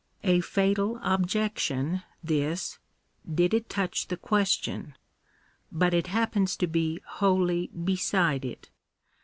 A fatal objection this, did it touch the question ; but it happens to be wholly beside it.